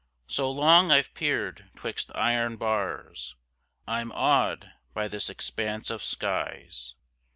So long I've peered 'twixt iron bars, I'm awed by this expanse of skies.